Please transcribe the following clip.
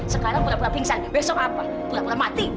sekarang pura pura pingsan besok apa pura pura mati